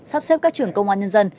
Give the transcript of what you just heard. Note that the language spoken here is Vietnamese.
sắp xếp các trưởng công an nhân dân